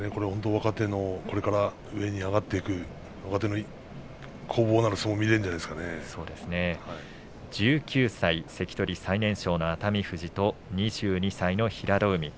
若手のこれから上に上がっていく攻防のある相撲を見ることが１９歳関取最年少の熱海富士と２２歳の平戸海。